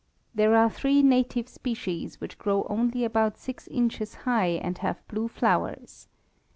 There are three native species which grow only about six inches high and have blue flowers.